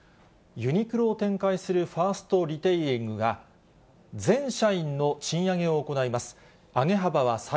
ユニクロを展開するファーストリテイリングが、全社員の賃上げを行います。